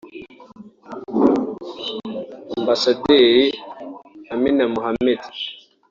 Ambasaderi Amina Mohamed